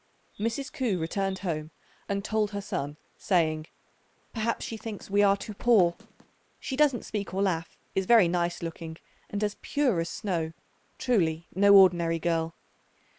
Mrs. Ku returned home and told her son, saying, "Perhaps she thinks we are too poor. She doesn't speak or laugh, is very nice looking, and as pure as snow; truly no ordinary girl."